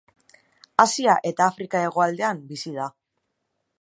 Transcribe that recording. Asia eta Afrika hegoaldean bizi da.